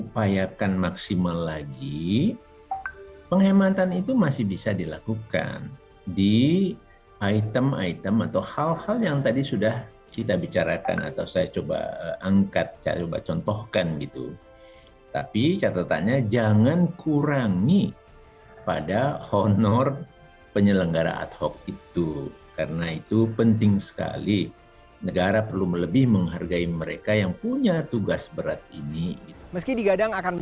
pemilu serentak dua ribu dua puluh